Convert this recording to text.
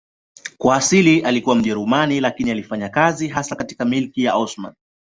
Kwa asili alikuwa Mjerumani lakini alifanya kazi hasa katika Milki ya Osmani.